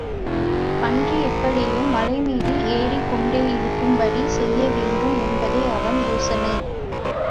பன்றி எப்படியும் மலைமீது ஏறிக் கொண்டேயிருக்கும்படி செய்ய வேண்டும் என்பதே அவன் யோசனை.